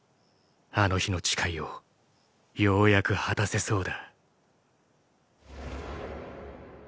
あの日の誓いをようやく果たせそうだ！